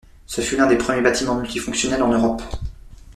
Ce fut l'un des premiers bâtiments multifonctionnels en Europe.